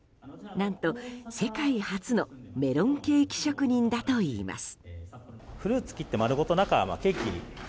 何と世界初のメロンケーキ職人だといいます。